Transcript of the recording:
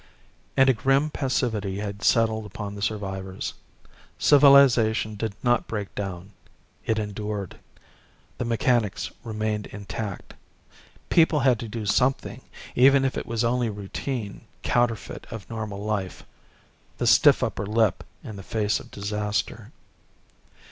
And a grim passivity had settled upon the survivors. Civilization did not break down. It endured. The mechanics remained intact. People had to do something even if it was only routine counterfeit of normal life the stiff upper lip in the face of disaster.